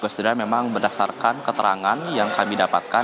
sendiri memang berdasarkan keterangan yang kami dapatkan